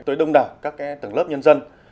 tới đông đảo các tầng lớp nhân dân